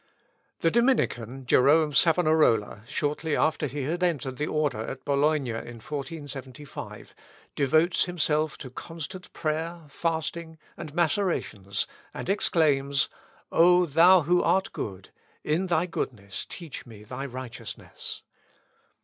The Dominican, Jerome Savonarola, shortly after he had entered the order at Bologna in 1475, devotes himself to constant prayer, fasting, and macerations, and exclaims, "O thou who art good, in thy goodness teach me thy righteousness."